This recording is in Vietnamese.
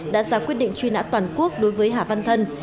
đã ra quyết định truy nã toàn quốc đối với hà văn thân